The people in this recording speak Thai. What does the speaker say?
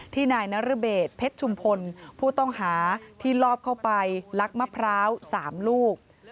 นายนรเบศเพชรชุมพลผู้ต้องหาที่ลอบเข้าไปลักมะพร้าว๓ลูก